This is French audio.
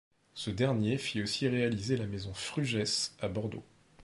Ce dernier fit aussi réaliser la maison Frugès à Bordeaux.